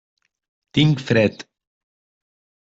Tinc fred.